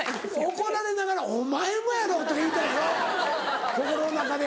怒られながら「お前もやろ！」って言いたいやろ心の中で。